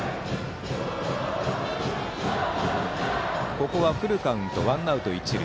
ここはフルカウントワンアウト、一塁。